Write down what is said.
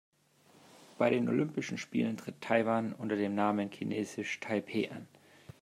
Bei den Olympischen Spielen tritt Taiwan unter dem Namen „Chinesisch Taipeh“ an.